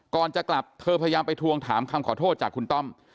ก่อนจะกลับเธอพยายามไปทวงถามคำขอโทษจากคุณต้อม